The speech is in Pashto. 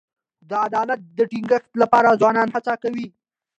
د عدالت د ټینګښت لپاره ځوانان هڅې کوي.